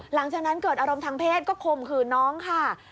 หลังจากนั้นเกิดอารมณ์ทางเพศก็ข่มขืนน้องค่ะ